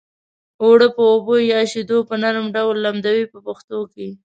اوړه په اوبو یا شیدو په نرم ډول لمدوي په پښتو کې.